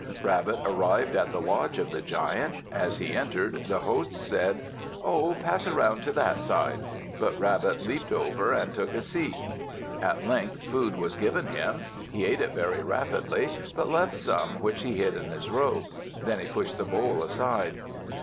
Rabbit arrived at the lodge of the Giant. As he entered, the host said, "Oh! Pass around to that side." But Rabbit leaped over and took a seat. At length food was given him. He ate it very rapidly but left some which he hid in his robe. Then he pushed the bowl aside.